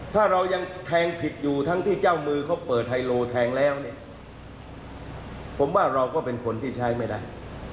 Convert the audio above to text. ถ้าเรายังแทงผิดอยู่ทั้งที่เจ้ามือเขาเปิดไฮโลแทงแล้วเนี่ยผมว่าเราก็เป็นคนที่ใช้ไม่ได้